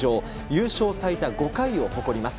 優勝最多５回を誇ります。